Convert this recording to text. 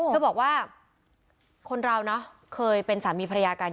เธอบอกว่าคนเราเนอะเคยเป็นสามีภรรยากัน